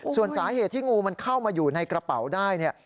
ส่วนสาเหตุที่งูมันเข้ามาอยู่ในกระเป๋าได้เนี่ย